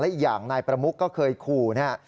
และอีกอย่างนายประมุกเคยขู่